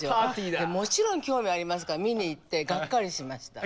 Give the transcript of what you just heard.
もちろん興味ありますから見に行ってがっかりしました。